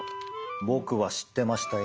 僕は知ってましたよ。